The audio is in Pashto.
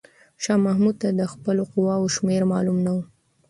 شاه محمود ته د خپلې قواوو شمېر معلومه نه و.